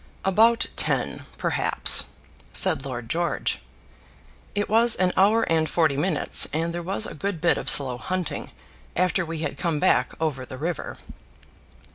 "About ten, perhaps," said Lord George. "It was an hour and forty minutes, and there was a good bit of slow hunting after we had come back over the river."